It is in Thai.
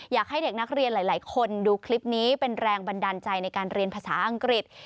อยากให้เด็กนักเรียนหลายคนดูคลิปนี้เป็นแรงบันดาลใจในการเรียนภาษาอังกฤษ